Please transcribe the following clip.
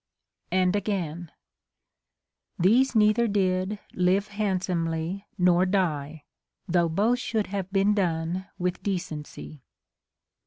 And again :— These neither did live handsomely nor die, Though both should have been done with decency.